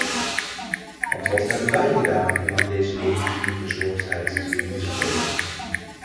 Want wat hebben wij gedaan om aan deze legitieme bezorgdheid tegemoet te komen?